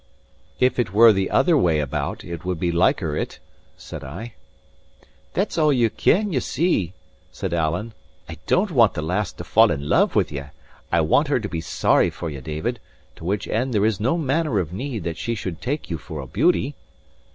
"If it were the other way about, it would be liker it," said I. "That's all that you ken, ye see," said Alan. "I don't want the lass to fall in love with ye, I want her to be sorry for ye, David; to which end there is no manner of need that she should take you for a beauty.